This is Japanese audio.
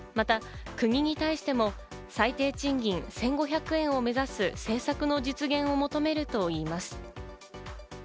また国に対しても最低賃金１５００円を目指す、政策の実現を求めるといいます。